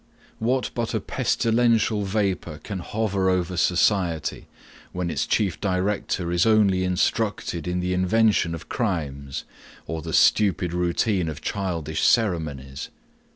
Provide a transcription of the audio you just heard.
What but a pestilential vapour can hover over society, when its chief director is only instructed in the invention of crimes, or the stupid routine of childish ceremonies?